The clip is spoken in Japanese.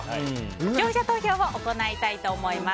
視聴者投票を行いたいと思います。